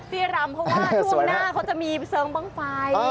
ที่รำเพราะว่าช่วงหน้าเขาจะมีเซิงบ้างไฟ